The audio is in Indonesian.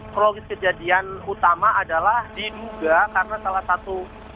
kronologis kejadian utama adalah diduga karena salah satu